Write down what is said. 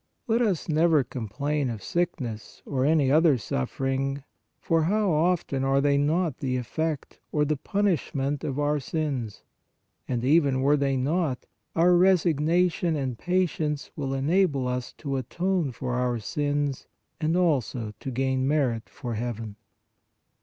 Let us never com plain of sickness or any other suffering, for how often are they not the effect or a punishment of our sins; and even were they not, our resignation and patience will enable us to atone for our sins and also to gain merit for heaven.